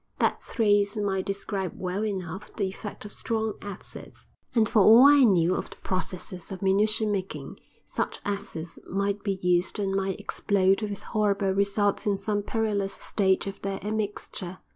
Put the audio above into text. That phrase might describe well enough the effect of strong acids, and, for all I knew of the processes of munition making, such acids might be used and might explode with horrible results in some perilous stage of their admixture.